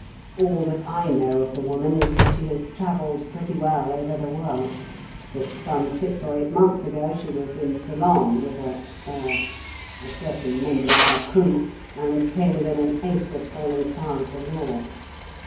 All that I know of the woman is that she has travelled pretty well over the world; that some six or eight months ago she was in Ceylon with a er a certain member of her crew, and came within an ace of falling foul of the law.